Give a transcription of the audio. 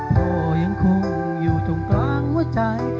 พ่อยังคงอยู่ตรงกลางหัวใจ